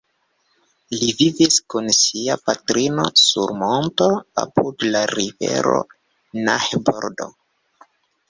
Li vivis kun sia patrino sur monto apud la rivero Nahe-bordo.